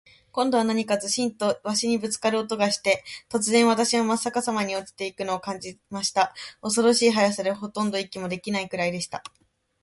今度は何かズシンと鷲にぶっつかる音がして、突然、私はまっ逆さまに落ちて行くのを感じました。恐ろしい速さで、ほとんど息もできないくらいでした。